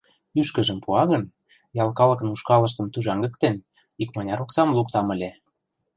Ӱшкыжым пуа гын, ял калыкын ушкалыштым тӱжаҥдыктен, икмыняр оксам луктам ыле.